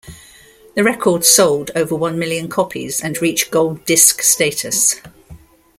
The record sold over one million copies, and reached gold disc status.